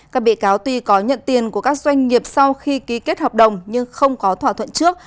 các bị cáo tuy có nhận tiền của các doanh nghiệp sau khi ký kết hợp đồng nhưng không có thỏa thuận trước